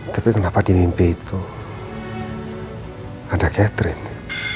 tapi kenapa di mimpi itu ada catering